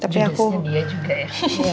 jujur dia juga ya